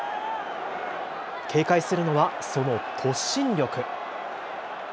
警戒するのはその突進力。